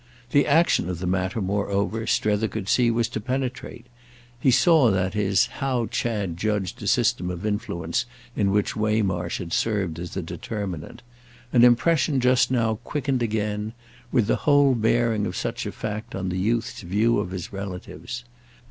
The action of the matter, moreover, Strether could see, was to penetrate; he saw that is, how Chad judged a system of influence in which Waymarsh had served as a determinant—an impression just now quickened again; with the whole bearing of such a fact on the youth's view of his relatives.